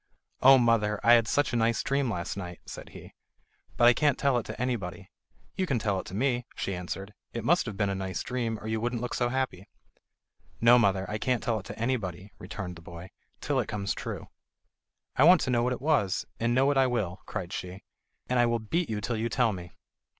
"Oh, mother, I had such a nice dream last night," said he; "but I can't tell it to anybody." "You can tell it to me," she answered. "It must have been a nice dream, or you wouldn't look so happy." "No, mother; I can't tell it to anybody," returned the boy, "till it comes true." "I want to know what it was, and know it I will," cried she, "and I will beat you till you tell me."